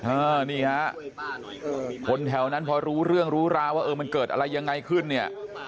นี่ฮะคนแถวนั้นพอรู้เรื่องรู้ราวว่าเออมันเกิดอะไรยังไงขึ้นเนี่ย